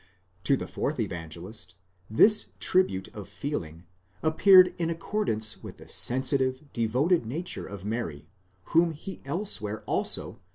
To the fourth Evangelist, this tribute of feeling appeared in accordance with the sensitive, devoted nature of Mary, whom he elsewhere also (xi.